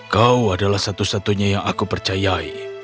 kau adalah satu satunya yang aku percayai